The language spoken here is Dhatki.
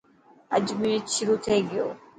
اڄ ميچ شروع ٿي گيو.